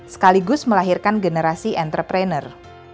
sekaligus melahirkan generasi entrepreneur